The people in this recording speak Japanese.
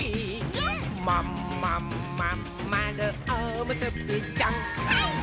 「まんまんまんまるおむすびちゃん」はいっ！